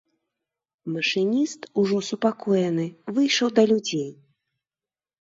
Машыніст, ужо супакоены, выйшаў да людзей.